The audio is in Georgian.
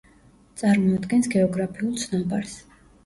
წარმოადგენს გეოგრაფიულ ცნობარს.